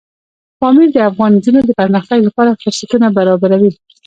پامیر د افغان نجونو د پرمختګ لپاره فرصتونه برابروي.